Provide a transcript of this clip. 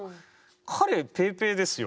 彼ペーペーですよ。